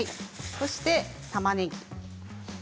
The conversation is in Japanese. そして、たまねぎ。